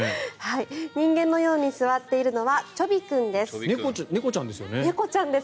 人間のように座っているのはちょび君です。